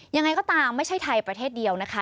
ยังไงก็ตามไม่ใช่ไทยประเทศเดียวนะคะ